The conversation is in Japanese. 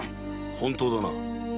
本当だな？